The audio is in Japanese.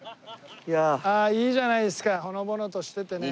ああいいじゃないですかほのぼのとしててね。